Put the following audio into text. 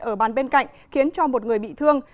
ở bàn bên cạnh khiến cho một người bị thương